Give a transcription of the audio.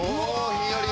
ひんやり！